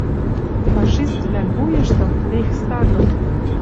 Фашиствлӓн вуйыштым — рейхстагым